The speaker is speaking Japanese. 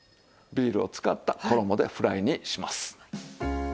ビールを使った衣でフライにします。